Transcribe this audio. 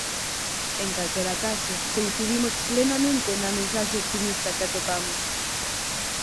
En calquera caso, coincidimos plenamente na mensaxe optimista que atopamos.